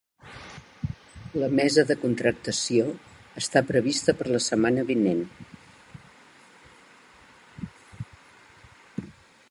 La mesa de contractació està prevista per a la setmana vinent.